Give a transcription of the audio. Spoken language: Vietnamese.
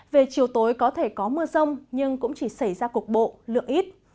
về chiều tối có thể có mưa rông nhưng cũng chỉ xảy ra cục bộ lượng ít